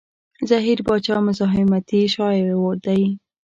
زهير باچا مزاحمتي شاعر دی.